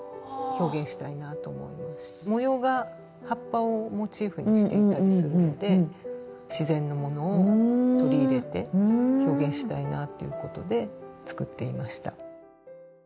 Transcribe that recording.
模様が葉っぱをモチーフにしていたりするので自然のものを取り入れて表現したいなっていうことで作っていました。